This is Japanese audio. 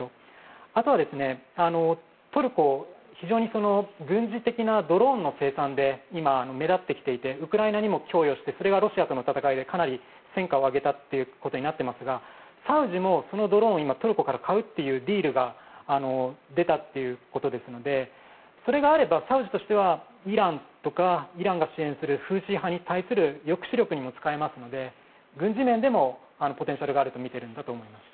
あとはトルコ非常に軍事的なドローンの生産で今、目立ってきていてウクライナにも供与してそれがロシアとの戦いでかなり戦果を上げたということになっていますからサウジもそのドローンをトルコから買うというディールが出たということですのでそれがあればサウジとしてはイランとかイランが支援するフーシ派に対する抑止力にも使えますので軍事面でもポテンシャルがあるとみています。